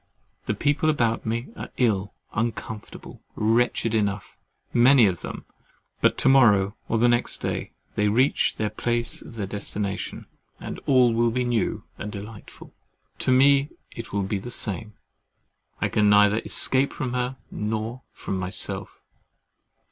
The people about me are ill, uncomfortable, wretched enough, many of them—but to morrow or next day, they reach the place of their destination, and all will be new and delightful. To me it will be the same. I can neither escape from her, nor from myself.